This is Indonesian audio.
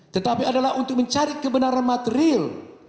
tetapi adalah untuk mencari kebenaran material